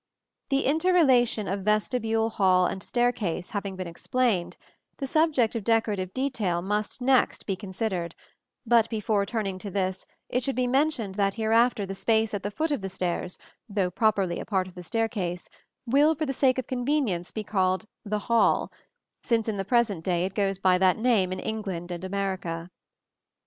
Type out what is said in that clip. The interrelation of vestibule, hall and staircase having been explained, the subject of decorative detail must next be considered; but before turning to this, it should be mentioned that hereafter the space at the foot of the stairs, though properly a part of the staircase, will for the sake of convenience be called the hall, since in the present day it goes by that name in England and America.